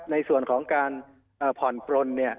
ในส่วนของการผ่อนกรณเนี่ย